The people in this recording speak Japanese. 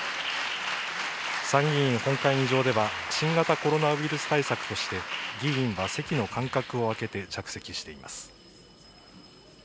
参議院本会議場では、新型コロナウイルス対策として、議員は席の間隔を空けて着席しています。